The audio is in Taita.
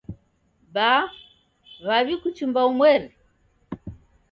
Baa w'awi kuchumba umweri.